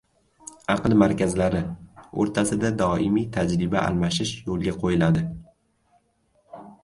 “Aql markazlari” o‘rtasida doimiy tajriba almashish yo‘lga qo‘yiladi